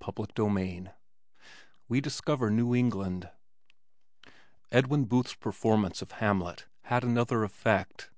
CHAPTER XXII We Discover New England Edwin Booth's performance of Hamlet had another effect.